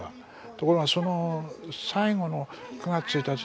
ところがその最後の９月１日の糒庫はね